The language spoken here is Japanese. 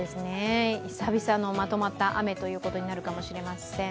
久々のまとまった雨になるかもしれません。